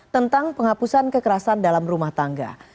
tentang penghapusan kekerasan dalam rumah tangga